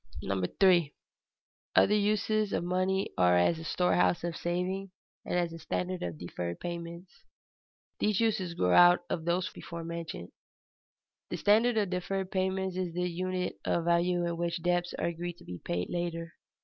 [Sidenote: Money used as a storehouse for saving.] 3. _Other uses of money are as a storehouse of saving and as a standard of deferred payments. These uses grow out of those before mentioned._ The standard of deferred payments is the unit of value in which debts are agreed to be paid later.